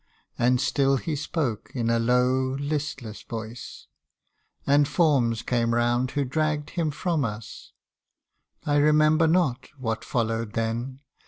And still he spoke In a low, listless voice ; and forms came round Who dragged him from us. I remember not What followed then.